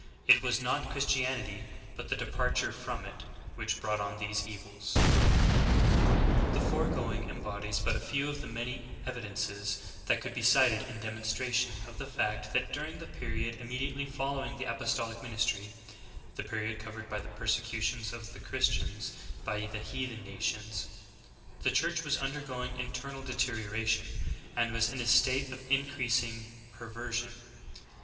It was not Christianity, hut the departure from it, which brought on these evils."^ ■• 14. The foregoing embodies but a few of the many evi dences that could be cited in demonstration of the fact that during the period immediately following the apostolic min istry — the period covered by the persecutions of the Chris tians by the heathen nations, — the Church was undergoing internal deterioration, and was in a state of increasing per version.